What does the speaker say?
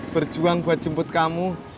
berjuang buat jemput kamu